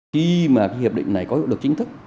khi mà cái hiệp định này có hiệu lực chính thức